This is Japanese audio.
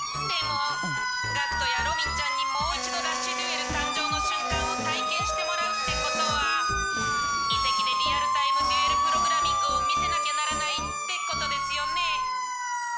でも学人やロミンちゃんにもう一度ラッシュデュエル誕生の瞬間を体験してもらうってことはイセキでリアルタイムデュエルプログラミングを見せなきゃならないってことですよね。